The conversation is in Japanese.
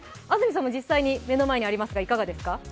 安住さんも実際に、目の前にありますが、いかがですか？